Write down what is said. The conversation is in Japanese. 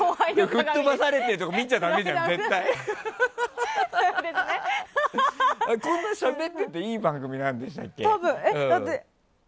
こんなしゃべってていい番組なんでしたっけ？